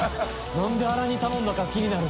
何であら煮頼んだか気になる。